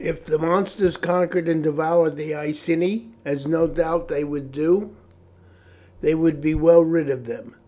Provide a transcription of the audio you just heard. If the monsters conquered and devoured the Iceni, as no doubt they would do, they would be well rid of them.